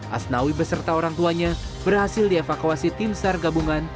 asnawi beserta orang tuanya berhasil dievakuasi tim sargabungan